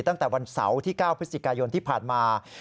ตั้งแต่วันเสาร์ที่๙พฤศจิกายนที่ผ่านมา